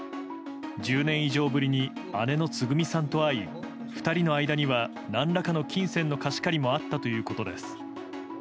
１０年以上ぶりに姉のつぐみさんと会い２人の間には何らかの金銭の貸し借りもあったということです。